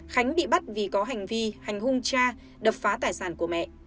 khánh bị bắt vì có hành vi hành hung cha đập phá tài sản của mẹ